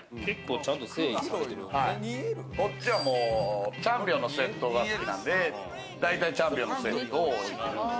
こっちは、もうチャンピオンのスエットが好きなんで、大体チャンピオンのスエットをしまってる。